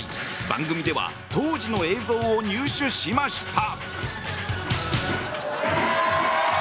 番組では当時の映像を入手しました。